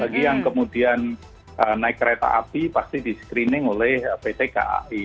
bagi yang kemudian naik kereta api pasti di screening oleh pt kai